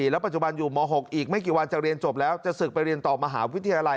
แล้วปัจจุบันอยู่ม๖อีกไม่กี่วันจะเรียนจบแล้วจะศึกไปเรียนต่อมหาวิทยาลัย